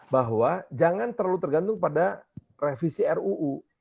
bahwa jangan terlalu tergantung pada revisi ruu